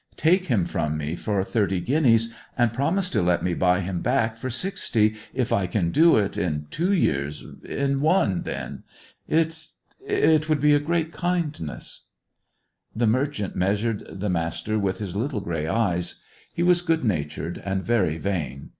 Take him from me for thirty guineas, and promise to let me buy him back for sixty, if I can do it, in two years, in one, then. It it would be a great kindness." The merchant measured the Master with his little grey eyes. He was good natured and very vain.